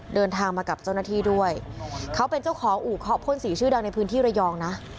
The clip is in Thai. เดินทางมากับเจ้าหน้าที่ด้วยเขาเป็นเจ้าของอู่เคาะพ่นสีชื่อดังในพื้นที่ระยองนะ